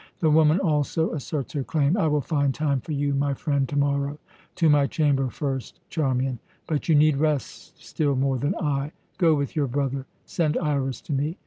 The woman also asserts her claim. I will find time for you, my friend, to morrow! To my chamber first, Charmian. But you need rest still more than I. Go with your brother. Send Iras to me.